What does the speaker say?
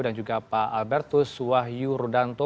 dan juga pak albertus wahyu rudanto